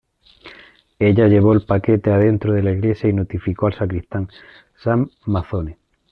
Ella llevó el paquete adentro de la iglesia y notificó al sacristán, Sam Mazzone.